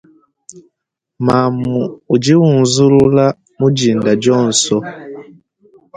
Mamu udi unzula mudinda dionso.